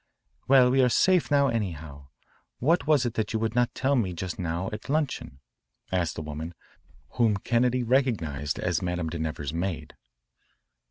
"Well, we are safe now anyhow. What was it that you would not tell me just now at luncheon?" asked the woman, whom Kennedy recognised as Madame de Nevers's maid.